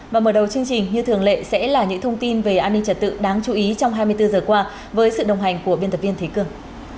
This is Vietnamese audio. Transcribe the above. và mở đầu chương trình như thường lệ sẽ là những thông tin về an ninh trật tự đáng chú ý trong hai mươi bốn giờ qua với sự đồng hành của biên tập viên thế cường